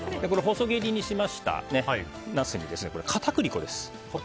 細切りにしましたナスに片栗粉です。